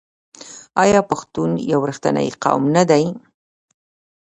آیا پښتون یو رښتینی قوم نه دی؟